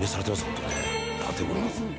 ホントね建物が」